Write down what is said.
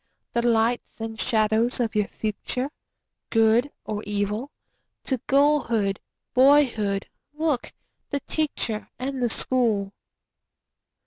The lights and shadows of your future—good or evil? To girlhood, boyhood look—the Teacher and the School.